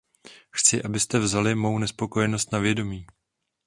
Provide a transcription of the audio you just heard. Chci, abyste vzali mou nespokojenost na vědomí.